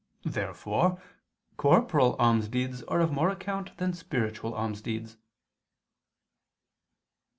Therefore corporal almsdeeds are of more account than spiritual almsdeeds.